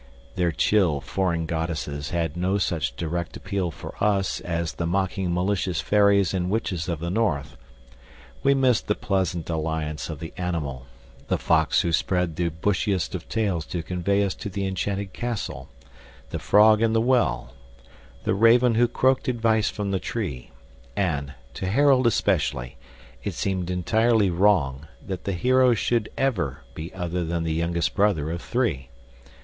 Their chill foreign goddesses had no such direct appeal for us as the mocking malicious fairies and witches of the North; we missed the pleasant alliance of the animal the fox who spread the bushiest of tails to convey us to the enchanted castle, the frog in the well, the raven who croaked advice from the tree; and to Harold especially it seemed entirely wrong that the hero should ever be other than the youngest brother of three.